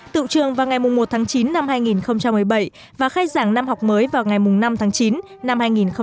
tự trường vào ngày một tháng chín năm hai nghìn một mươi bảy và khai giảng năm học mới vào ngày năm tháng chín năm hai nghìn một mươi chín